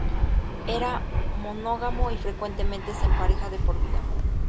Es monógamo y frecuentemente se empareja de por vida.